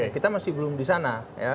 kita masih belum di sana